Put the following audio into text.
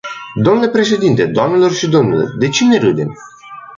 Dle președinte, doamnelor și domnilor, de cine râdem?